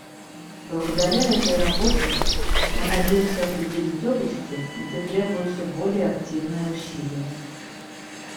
Благодаря этой работе мы надеемся определить области, где требуются более активные усилия.